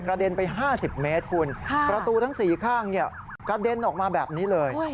เด็นไป๕๐เมตรคุณประตูทั้ง๔ข้างกระเด็นออกมาแบบนี้เลย